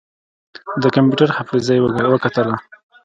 د کمپيوټر حافظه يې وکتله.